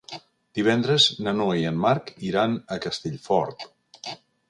Divendres na Noa i en Marc iran a Castellfort.